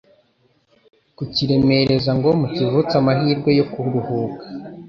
kukiremereza ngo mukivutse amahirwe yo kuruhuka,